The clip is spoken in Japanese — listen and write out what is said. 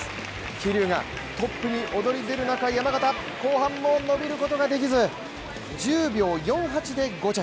桐生がトップに躍り出る中、山縣、後半も伸びることができず１０秒４８で５着。